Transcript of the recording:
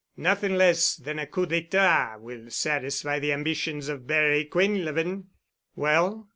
Nothing less than a coup d'état will satisfy the ambitions of Barry Quinlevin!" "Well?"